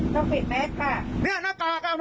ดูดูอย่าบวชน้ำลายบนรถ